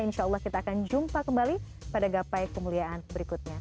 insya allah kita akan jumpa kembali pada gapai kemuliaan berikutnya